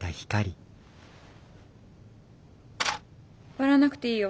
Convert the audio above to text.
笑わなくていいよ。